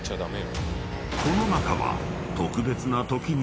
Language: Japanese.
［この中は］